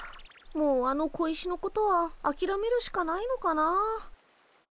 もうあの小石のことはあきらめるしかないのかなあ。